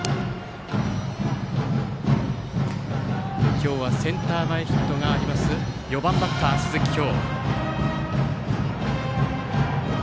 今日はセンター前ヒットがある４番バッター、鈴木叶。